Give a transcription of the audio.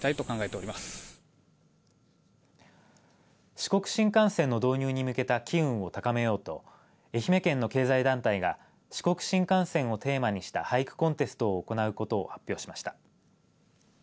四国新幹線の導入に向けた機運を高めようと愛媛県の経済団体が四国新幹線をテーマにした俳句コンテストを行うことを発表しました。